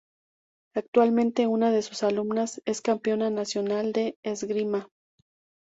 Actualmente una de sus alumnas es campeona nacional de esgrima.